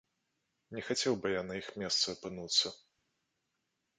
Не хацеў бы я на іх месцы апынуцца.